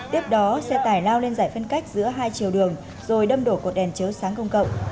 tiếp đó xe tải lao lên giải phân cách giữa hai chiều đường rồi đâm đổ cột đèn chiếu sáng công cộng